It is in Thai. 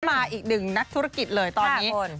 มาอีกหนึ่งนักธุรกิจเลยตอนนี้